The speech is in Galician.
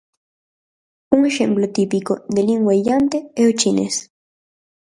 Un exemplo típico de lingua illante é o chinés.